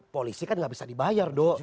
polisi kan gak bisa dibayar doh